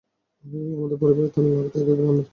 আমাদের পরিবারে তামিলনাড়ুতে একই গ্রামের।